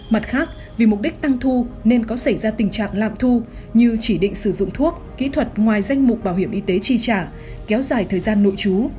mặt khác vì mục đích tăng thu nên có xảy ra tình trạng lạm thu như chỉ định sử dụng thuốc kỹ thuật ngoài danh mục bảo hiểm y tế chi trả kéo dài thời gian nội trú